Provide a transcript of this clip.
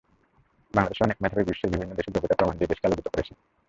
বাংলাদেশের অনেক মেধাবী বিশ্বের বিভিন্ন দেশে যোগ্যতার প্রমাণ দিয়ে দেশকে আলোকিত করেছেন।